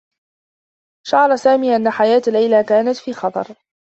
شعر سامي أنّ حياة ليلى كانت في خطر.